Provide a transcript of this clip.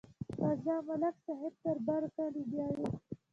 راځه، ملک صاحب تر برکلي بیایو.